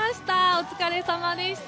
お疲れさまでした。